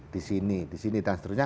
di sini di sini dan seterusnya